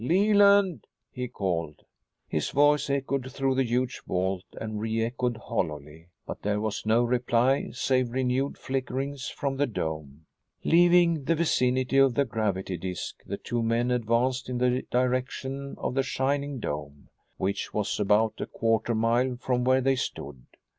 Leland!" he called. His voice echoed through the huge vault and re echoed hollowly. But there was no reply save renewed flickerings from the dome. Leaving the vicinity of the gravity disc, the two men advanced in the direction of the shining dome, which was about a quarter mile from where they stood.